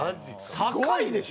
高いでしょ？